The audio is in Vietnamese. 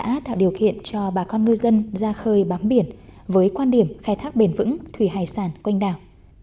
đã tạo điều kiện cho bà con ngư dân ra khơi bám biển với quan điểm khai thác bền vững thủy hải sản quanh đảo